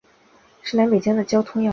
是南北疆的交通要道。